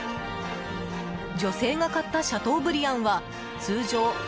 女性が買ったシャトーブリアンは通常１００ｇ